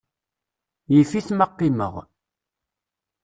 Yif-it ma qqimeɣ.